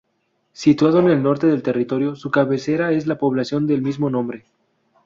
Situado en el norte del territorio, su cabecera es la población del mismo nombre.